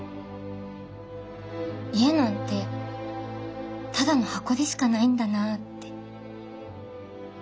家なんてただの箱でしかないんだなって。